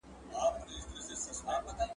ډېر لوړ ږغ پاڼه ړنګه کړې ده.